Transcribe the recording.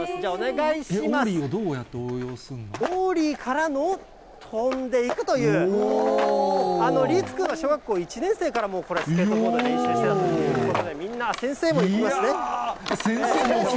オーリーからの跳んでいくという、律君は小学校１年生からスケートボードを練習していたということ先生もきた！